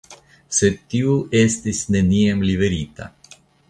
Sed tiu estis neniam liverita.